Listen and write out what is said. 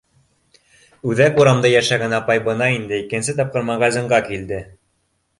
Үҙәк урамда йәшәгән апай бына инде икенсе тапҡыр магазинға килде.